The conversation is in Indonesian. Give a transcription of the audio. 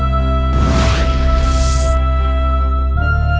kita tetap bertanya klarir kata yang lebih penting yang tersdgs ini